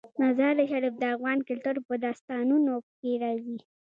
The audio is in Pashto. مزارشریف د افغان کلتور په داستانونو کې راځي.